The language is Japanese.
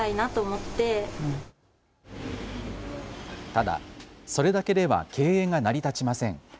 ただ、それだけでは経営が成り立ちません。